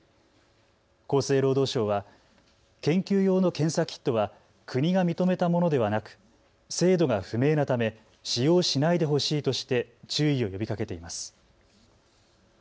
厚生労働省は研究用の検査キットは国が認めたものではなく精度が不明なため使用しないでほしいとして注意を呼びかけています。